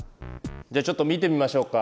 じゃあちょっと見てみましょうか。